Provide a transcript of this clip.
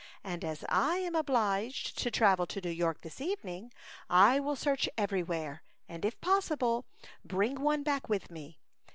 ''And as I am obliged to travel to New York this evening, I will search every where, and if possible bring one back with me.